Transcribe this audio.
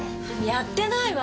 やってないわよ。